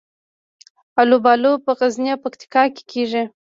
الوبالو په غزني او پکتیکا کې کیږي